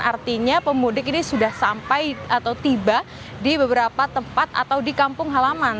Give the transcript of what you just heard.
artinya pemudik ini sudah sampai atau tiba di beberapa tempat atau di kampung halaman